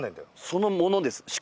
そのものです